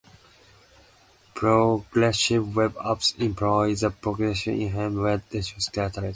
Progressive web apps employ the progressive enhancement web development strategy.